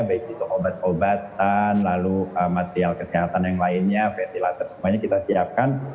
baik itu obat obatan lalu material kesehatan yang lainnya ventilator semuanya kita siapkan